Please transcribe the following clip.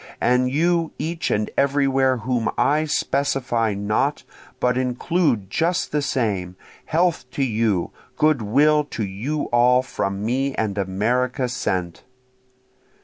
And you each and everywhere whom I specify not, but include just the same! Health to you! good will to you all, from me and America sent!